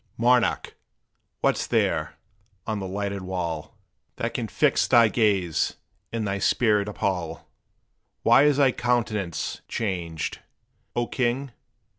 Monarch! what's there, on the lighted wall, That can fix thy gaze and thy spirit appall? Why is thy countenance changed, O king?